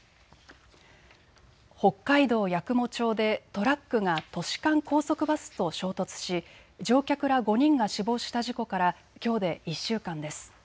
北海道八雲町でトラックが都市間高速バスと衝突し乗客ら５人が死亡した事故からきょうで１週間です。